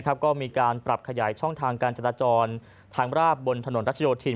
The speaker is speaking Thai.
ก็มีการปรับขยายช่องทางการจราจรทางราบบนถนนรัชโยธิน